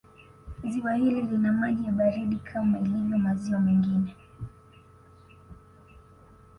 Ziwa hili lina maji ya baridi kama ilivyo maziwa mengine